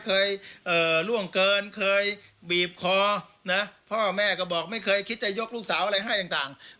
เคยล่วงเกินเคยบีบคอนะพ่อแม่ก็บอกไม่เคยคิดจะยกลูกสาวอะไรให้ต่าง